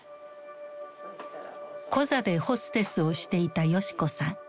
コザでホステスをしていた世志子さん。